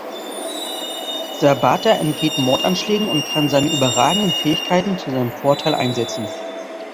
Sabata entgeht Mordanschlägen und kann seine überragenden Fähigkeiten zu seinem Vorteil einsetzen.